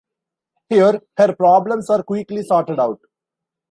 Here, her problems are quickly sorted out.